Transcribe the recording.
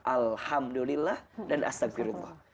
alhamdulillah dan astagfirullah